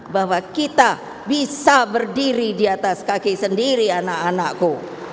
bahwa kita bisa berdiri di atas kaki sendiri anak anakku